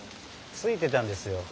ついてたんですよ。